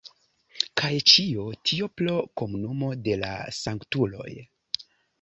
Kaj ĉio tio pro Komunumo de la Sanktuloj.